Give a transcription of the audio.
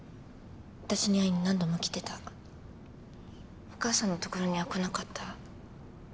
私に会いに何度も来てたお母さんのところには来なかった？